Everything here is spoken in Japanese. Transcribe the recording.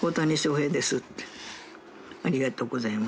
「ありがとうございます」